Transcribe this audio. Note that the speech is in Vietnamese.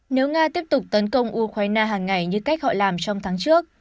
nếu nga tiếp tục tấn công ukraine hàng ngày như cách họ làm trong tháng trước